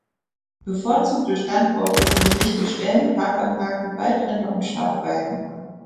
Bevorzugte Standorte sind lichte Stellen, Parkanlagen, Waldränder und Schafweiden.